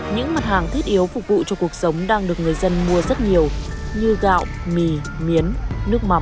những mặt hàng thiết yếu phục vụ cho cuộc sống đang được người dân mua rất nhiều như gạo mì miến nước mắm